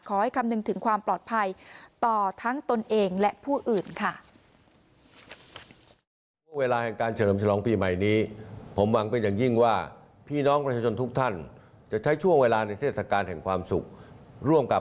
คำนึงถึงความปลอดภัยต่อทั้งตนเองและผู้อื่นค่ะ